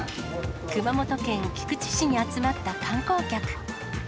熊本県菊池市に集まった観光客。